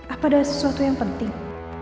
apa adalah sesuatu yang penting